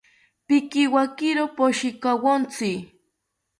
Pikiwakiro pashikawontzi